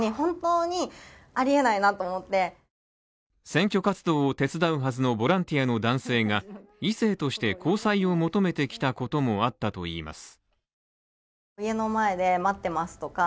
選挙活動を手伝うはずのボランティアの男性が異性として交際を求めてきたこともあったといいます。